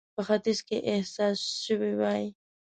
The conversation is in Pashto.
په ختیځ کې احساس سوې وای.